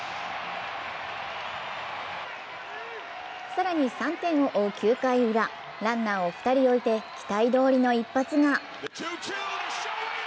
更に３点を追う９回ウラ、ランナーを２人置いて、期待どおりの一発が。